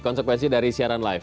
konsekuensi dari siaran live